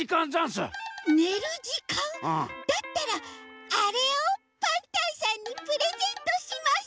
ねるじかん？だったらあれをパンタンさんにプレゼントします。